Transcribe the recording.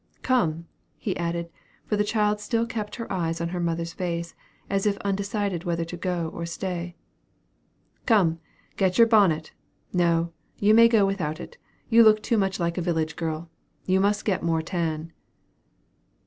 Come," he added; for the child still kept her eyes on her mother's face, as if undecided whether to go or stay. "Come, get your bonnet no; you may go without it. You look too much like a village girl. You must get more tan."